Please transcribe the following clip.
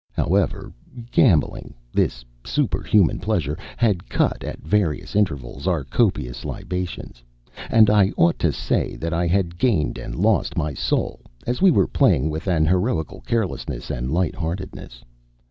However, gambling, this superhuman pleasure, had cut, at various intervals, our copious libations, and I ought to say that I had gained and lost my soul, as we were playing, with an heroical carelessness and light heartedness.